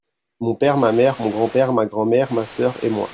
Mon père, ma mère, mon grand-père, ma grand-mère, ma sœur et moi.